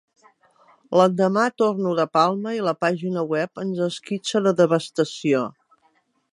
L'endemà torno de Palma i la pàgina web ens esquitxa de devastació.